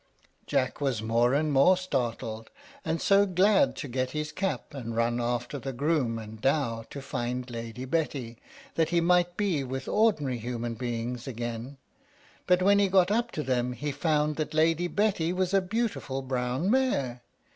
Jack was more and more startled, and so glad to get his cap and run after the groom and Dow to find Lady Betty, that he might be with ordinary human beings again; but when he got up to them, he found that Lady Betty was a beautiful brown mare!